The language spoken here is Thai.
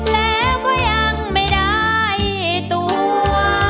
แล้วก็ยังไม่ได้ตัว